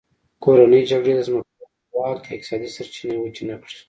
کورنۍ جګړې د ځمکوالو واک یا اقتصادي سرچینې وچې نه کړې.